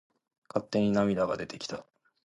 勝手に涙が出てきた。